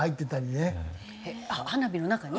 えっ花火の中に？